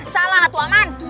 salah atu aman